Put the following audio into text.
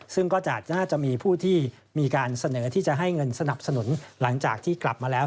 ซึ่งก็น่าจะมีผู้ที่มีการเสนอที่จะให้เงินสนับสนุนหลังจากที่กลับมาแล้ว